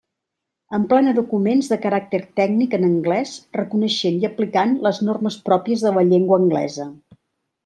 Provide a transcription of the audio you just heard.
Emplena documents de caràcter tècnic en anglès reconeixent i aplicant les normes pròpies de la llengua anglesa.